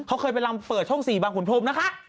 เขาเคยไปลำเปิดช่อง๔บางขุนพรมนะคะ